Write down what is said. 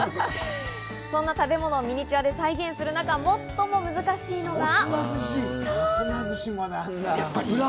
そんな食べ物をミニチュアで再現する中、最も難しいのが。